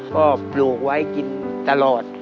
ก็ปลูกไว้กินตลอด